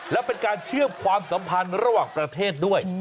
และเป็นการเชื่อมความสัมพันธ์ระหว่างประเทศด้วย